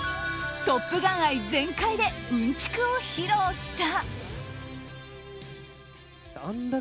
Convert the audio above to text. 「トップガン」愛全開でうんちくを披露した。